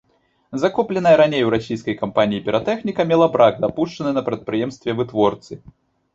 Закупленая раней у расійскай кампаніі піратэхніка мела брак, дапушчаны на прадпрыемстве-вытворцы.